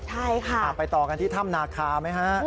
ใช่ค่ะไปต่อกันที่ถ้ำนาคาไหมฮะ